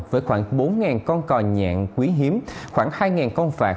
với khoảng bốn con cò nhạn quý hiếm khoảng hai con phạc